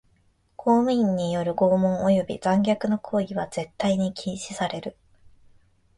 公務員による拷問および残虐な行為は絶対に禁止される。